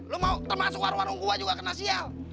lu mau termasuk warung warung gue juga kena siat